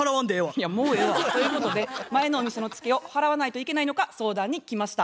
いやもうええわ。ということで前のお店のツケを払わないといけないのか相談に来ました。